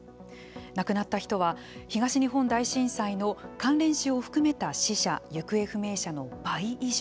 亡くなった人は東日本大震災の関連死を含めた死者・行方不明者の倍以上。